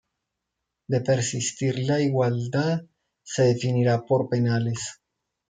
De persistir la igualdad se definirá por penales.